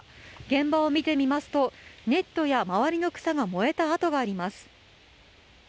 現場を見てみますとネットや周りの草が燃えた跡があります。